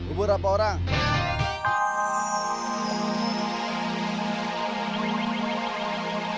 itu bukan orangnya